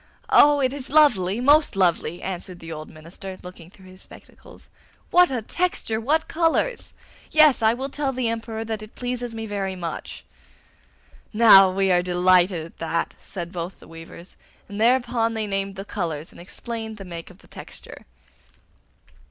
'Oh, it is lovely, most lovely!' answered the old minister, looking through his spectacles. 'What a texture! What colours! Yes, I will tell the Emperor that it pleases me very much.' 'Now we are delighted at that,' said both the weavers, and thereupon they named the colours and explained the make of the texture.